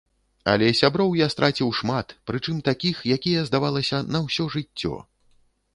Але сяброў я страціў шмат, прычым такіх, якія, здавалася, на ўсё жыццё.